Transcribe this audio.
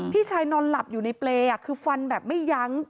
พี่ชายนอนหลับอยู่ในเปรย์คือฟันแบบไม่ยั้ง